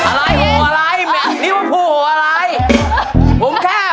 อะไรโหว้อะไรนี่ว่าผู้โหว้อะไร